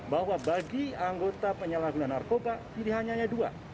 bahwa bagi anggota penyalahgunaan narkoba pilihannya hanya dua